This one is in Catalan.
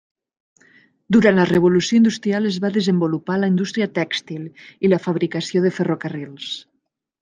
Durant la Revolució Industrial es va desenvolupar la indústria tèxtil i la fabricació de ferrocarrils.